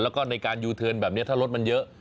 แล้วก็ในการยูเทิร์นแบบนี้ถ้ารถมันเยอะ